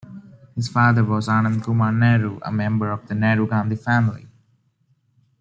His father was Anand Kumar Nehru, a member of the Nehru-Gandhi family.